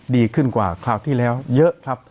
ดีขึ้นกว่าคราวที่แล้วเยอะครับ